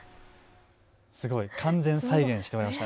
すごい完全再現してもらいました。